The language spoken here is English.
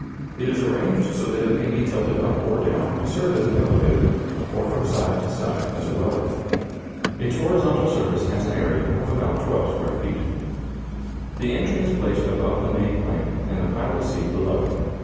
It is arranged so that it may be tilted up or down to serve as an elevator, or from side to side as a rudder. Its horizontal surface has an area of about 12 square feet. The engine is placed above the main plane and the pilot's seat below it.